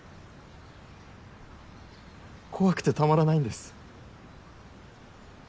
怖くてたまらないんです。